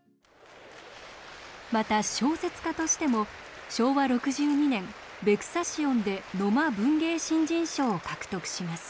また小説家としても昭和６２年「ヴェクサシオン」で野間文芸新人賞を獲得します。